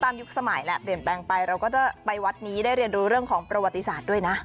ยุคสมัยแหละเปลี่ยนแปลงไปเราก็จะไปวัดนี้ได้เรียนรู้เรื่องของประวัติศาสตร์ด้วยนะ